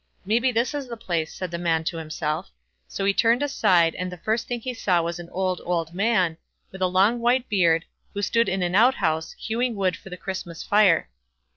"Maybe this is the place" said the man to himself. So he turned aside, and the first thing he saw was an old, old man, with a long white beard, who stood in an outhouse, hewing wood for the Christmas fire.